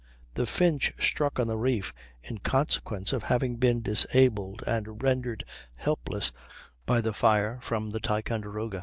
The Finch struck on the reef in consequence of having been disabled and rendered helpless by the fire from the Ticonderoga.